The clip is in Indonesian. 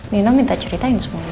nino minta ceritain semuanya